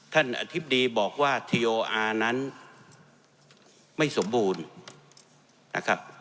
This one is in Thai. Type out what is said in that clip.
อธิบดีบอกว่าทีโออาร์นั้นไม่สมบูรณ์นะครับ